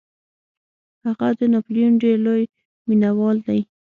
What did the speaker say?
هغه د ناپلیون ډیر لوی مینوال دی.